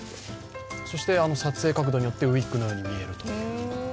撮影角度によって、ウィッグのように見えると。